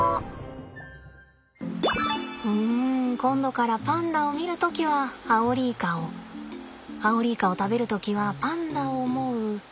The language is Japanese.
うん今度からパンダを見る時はアオリイカをアオリイカを食べる時はパンダを思う